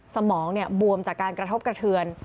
สมองบวมจากการกระทบกระเทือน